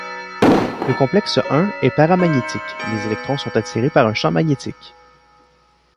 Le complexe I est paramagnétique, les électrons sont attirés par un champ magnétique.